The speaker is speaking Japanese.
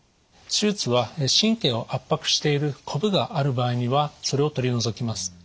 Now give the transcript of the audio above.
手術は神経を圧迫しているコブがある場合にはそれを取り除きます。